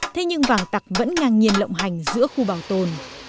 thế nhưng vàng tặc vẫn ngang nhiên lộng hành giữa khu bảo tồn